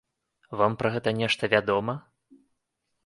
Вам пра гэта нешта вядома?